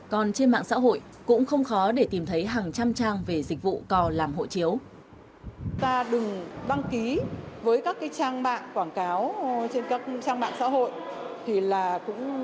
còn trên mạng xã hội cũng không khó để tìm thấy hàng trăm trang về dịch vụ cò làm hộ chiếu